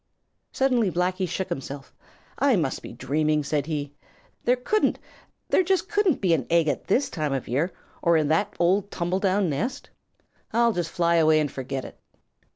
Suddenly Blacky shook himself. "I must be dreaming," said he. "There couldn't, there just couldn't be an egg at this time of year, or in that old tumble down nest! I'll just fly away and forget it."